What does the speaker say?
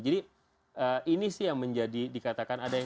jadi ini sih yang menjadi dikatakan